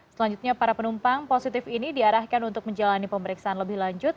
selanjutnya para penumpang positif ini diarahkan untuk menjalani pemeriksaan lebih lanjut